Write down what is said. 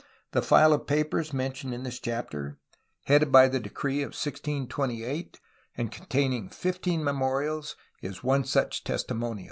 The file of papers men tioned in this chapter, headed by the decree of 1628 and containing fifteen memorials, is one such testimonio.